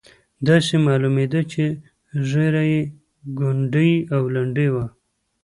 داسې معلومېده چې ږیره یې کونډۍ او لنډۍ وه.